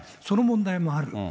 その問題もある。